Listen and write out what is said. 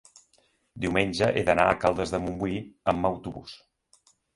diumenge he d'anar a Caldes de Montbui amb autobús.